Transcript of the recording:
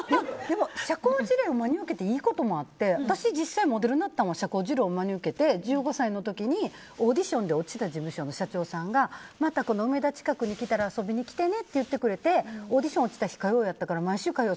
社交辞令を真に受けて、いいこともあって私、実際モデルになったのも社交辞令を真に受けて１５歳の時にオーディションで落ちた事務所の社長さんがまた梅田近くに来たら遊びに来てねって言ってくれてオーディション落ちた日火曜日だったから毎週火曜